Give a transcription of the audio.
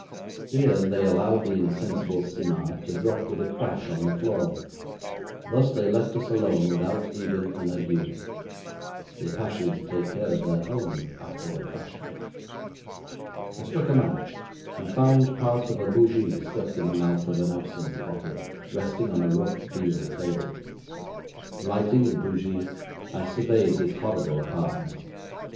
Here they allowed the insensible Simard to drop with a crash on the floor, thus they left us alone without even an adieu. The Apaches take care of their own after a fashion. I struck a match, and found part of a bougie stuck in the mouth of an absinthe bottle, resting on a rough deal table. Lighting the bougie, I surveyed the horrible apartment.